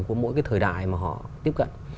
của mỗi cái thời đại mà họ tiếp cận